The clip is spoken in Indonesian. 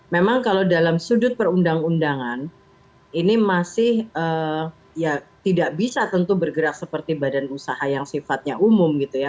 memang kalau dalam sudut perundang undangan ini masih ya tidak bisa tentu bergerak seperti badan usaha yang sifatnya umum gitu ya